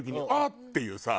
っていうさ。